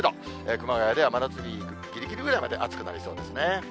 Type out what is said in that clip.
熊谷では真夏日ぎりぎりぐらいまで暑くなりそうですね。